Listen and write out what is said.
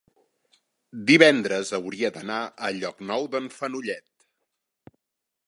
Divendres hauria d'anar a Llocnou d'en Fenollet.